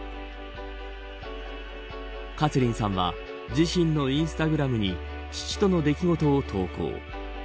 カツリンさんは自身のインスタグラムに父との出来事を投稿。